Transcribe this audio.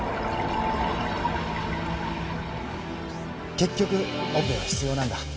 ・結局オペは必要なんだ